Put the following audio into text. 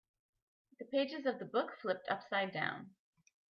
The pages of the book flipped upside down.